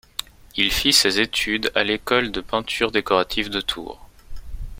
Il fit ses études à l'école de Peinture Décorative de Tours.